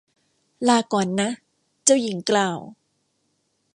ลาก่อนนะ เจ้าหญิงกล่าว